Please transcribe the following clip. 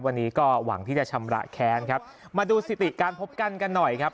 วันนี้ก็หวังที่จะชำระแค้นครับมาดูสถิติการพบกันกันหน่อยครับ